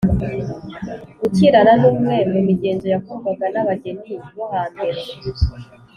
Gukirana ni umwe mu migenzo yakorwaga n’abageni bo hambere